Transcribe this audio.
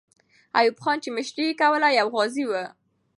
ایوب خان چې مشري یې کوله، یو غازی وو.